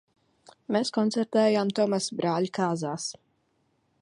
Mēs koncertējām Tomasa brāļa kāzās.